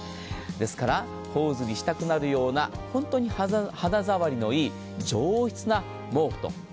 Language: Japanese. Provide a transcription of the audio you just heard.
ですから頬ずりしたくなるような本当に肌触りのいい上質な毛布と。